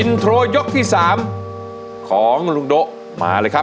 โทรยกที่๓ของลุงโด๊ะมาเลยครับ